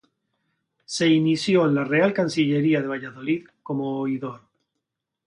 Se inició en la Real Chancillería de Valladolid como oidor.